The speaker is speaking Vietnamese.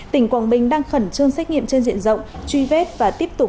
tỉnh quảng bình đang khẩn trương xét nghiệm trên diện rộng truy vết và tiếp tục